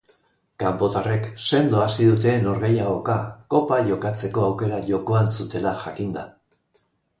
Kanpotarrek sendo hasi dute norgehiagoka, kopa jokatzeko aukera jokoan zutela jakinda.